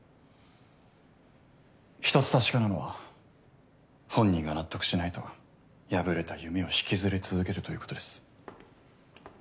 １つ確かなのは本人が納得しないと破れた夢を引きずり続けるということです。